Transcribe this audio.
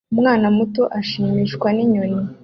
Umwana muto ashimishwa ninyoni